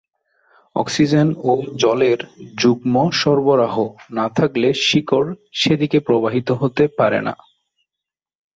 Oxygen ও জলের যুগ্ম সরবরাহ না থাকলে শিকড় সেদিকে প্রবাহিত হতে পারে না।